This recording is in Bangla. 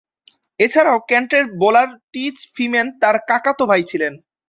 এছাড়াও কেন্টের বোলার টিচ ফ্রিম্যান তার কাকাতো ভাই ছিলেন।